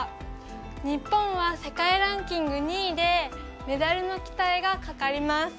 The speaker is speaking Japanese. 日本は世界ランキング２位でメダルの期待がかかります。